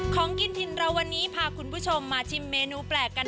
ของกินถิ่นเราวันนี้พาคุณผู้ชมมาชิมเมนูแปลกกัน